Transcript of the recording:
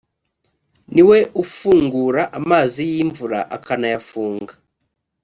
ni we ufungura amazi y imvura akanayafunga